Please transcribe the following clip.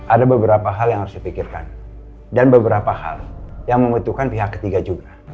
ada beberapa hal yang harus dipikirkan dan beberapa hal yang membutuhkan pihak ketiga juga